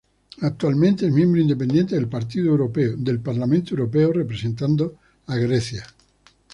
Actualmente, es miembro independiente del Parlamento Europeo representando a Grecia.